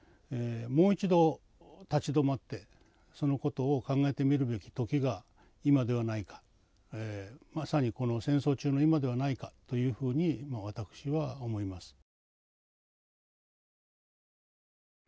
もう一度立ち止まってそのことを考えてみるべき時が今ではないかまさにこの戦争中の今ではないかというふうに私は思います。